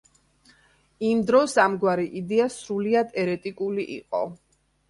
იმ დროს ამგვარი იდეა სრულიად ერეტიკული იყო.